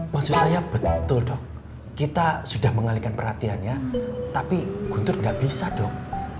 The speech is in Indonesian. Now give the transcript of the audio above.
maksud saya betul dong kita sudah mengalihkan perhatiannya tapi guntur nggak bisa dok